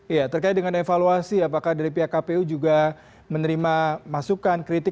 ya terkait dengan evaluasi apakah dari pihak kpu juga menerima masukan kritik